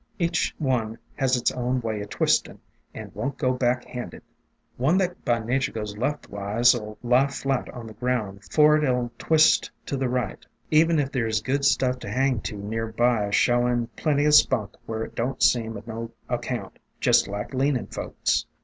Each one has its own way o' twistin', and won't go back handed. One that by nature goes left wise '11 lie flat on the ground 'fore it '11 twist to the right, even if there 's good stuff to hang to near by — showin' plenty o' spunk where it don't seem of no account, jest like leanin' folks.